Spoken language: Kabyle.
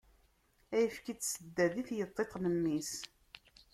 Ayefki n tsedda di tyeṭṭit n mmi-s.